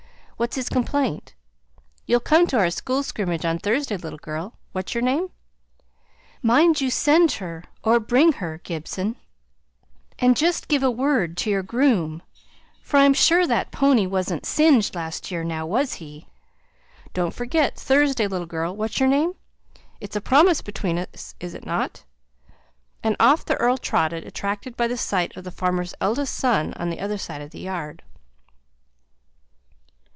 What's his complaint? You'll come to our school scrimmage on Thursday, little girl what's your name? Mind you send her, or bring her, Gibson; and just give a word to your groom, for I'm sure that pony wasn't singed last year, now, was he? Don't forget Thursday, little girl what's your name? it's a promise between us, is it not?" And off the earl trotted, attracted by the sight of the farmer's eldest son on the other side of the yard.